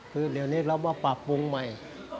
คือเดี๋ยวนี้เรามาปรับปรุงใหม่